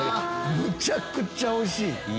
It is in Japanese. めちゃくちゃおいしい！